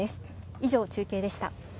以上、中継でした。